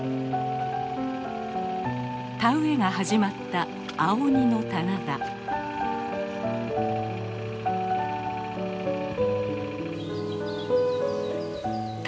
田植えが始まった青鬼の棚田。